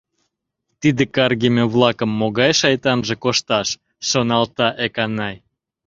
«Тиде каргыме-влакым могай шайтанже кошташ», — шоналта Эканай.